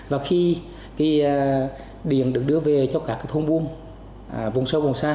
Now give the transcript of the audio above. và khi điện được đưa về cho các thôn buôn vùng sâu vùng xa